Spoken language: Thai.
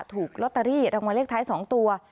ถูกลอตเตอรี่รางวัลเลขท้าย๒ตัว